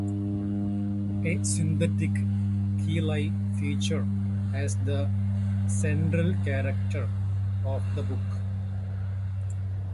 A synthetic Kylie features as the central character of the book.